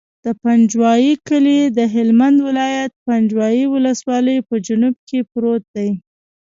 د پنجوایي کلی د هلمند ولایت، پنجوایي ولسوالي په جنوب کې پروت دی.